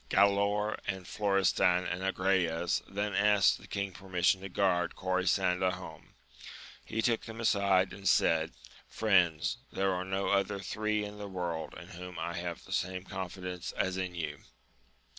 Gralaor and Florestan and Agrayes then asked the king permission to guard Gonsanda home. He took them aside and said. Friends ! there are no other three in the world in whom I have the same confi dence as in you.